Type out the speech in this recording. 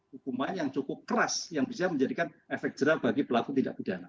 hukuman yang cukup keras yang bisa menjadikan efek jerah bagi pelaku tindak pidana